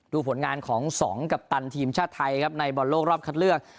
ผลงานของ๒กัปตันทีมชาติไทยครับในบอลโลกรอบคัดเลือก